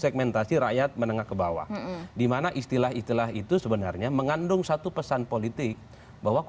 berapa banyak kata takut yang sudah